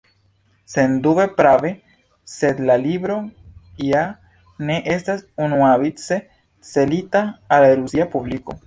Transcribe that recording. Sendube prave, sed la libro ja ne estas unuavice celita al rusia publiko.